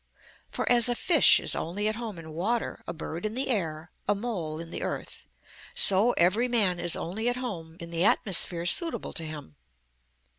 For as a fish is only at home in water, a bird in the air, a mole in the earth, so every man is only at home in the atmosphere suitable to him.